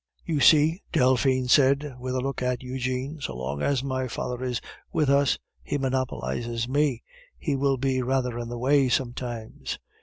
"You see!" Delphine said with a look at Eugene, "so long as my father is with us, he monopolizes me. He will be rather in the way sometimes."